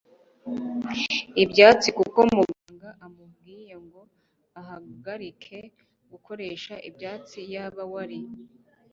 ibyatsi Kuki muganga amubwiye ngo ahagarike gukoresha ibyatsi Iyaba wari